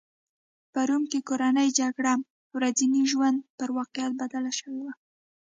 په روم کې کورنۍ جګړه ورځني ژوند پر واقعیت بدله شوې وه